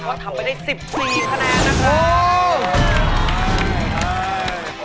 เพราะทำไปได้๑๔คะแนนนะคะ